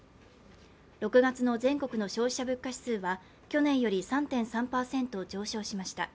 ６月の全国の消費者物価指数は去年より３．３％上昇しました。